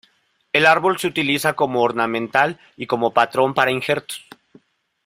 El árbol se utiliza como ornamental y como patrón para injertos.